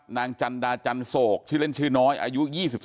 จันดาจันโศกชื่อเล่นชื่อน้อยอายุ๒๒